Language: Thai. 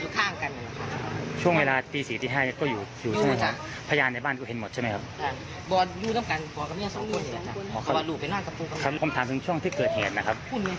แต่ว่ามีคนอยู่บ้านอยู่ชะมัดแถมแทนจ้ะ